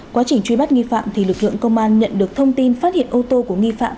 quá trình truy bắt nghi phạm thì lực lượng công an nhận được thông tin phát hiện ô tô của nghi phạm